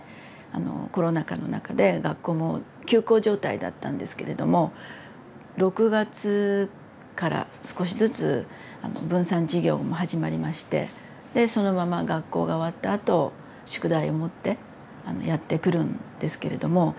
あのコロナ禍の中で学校も休校状態だったんですけれども６月から少しずつ分散授業も始まりましてでそのまま学校が終わったあと宿題持ってやって来るんですけれども。